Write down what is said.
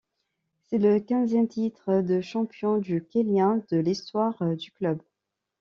C'est le quinzième titre de champion du Kenya de l'histoire du club.